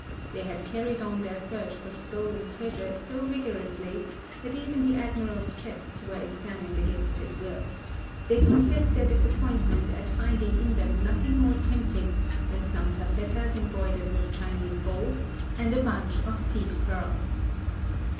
They had carried on their search for stolen treasure so rigorously that even the Admiral's chests were examined against his will. They confess their disappointment at finding in them nothing more tempting than some taffetas embroidered with Chinese gold, and a bunch of seed pearl.